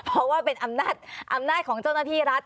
เพราะว่าเป็นอำนาจของเจ้าหน้าที่รัฐ